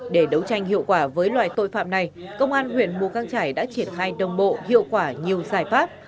để đấu tranh hiệu quả với loại tội phạm này công an huyện mù căng trải đã triển khai đồng bộ hiệu quả nhiều giải pháp